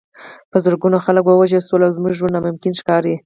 په زرګونو خلک ووژل شول او زموږ ژوند ناممکن ښکاري